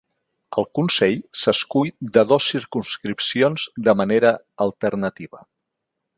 El Consell s'escull des de dos circumscripcions de manera alternativa.